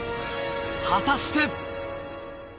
果たして。